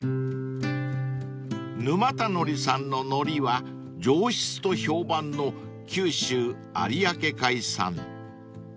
［ぬま田海苔さんの海苔は上質と評判の九州有明海産］